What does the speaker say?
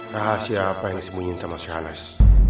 rahasia apa yang disemunyiin sama sianes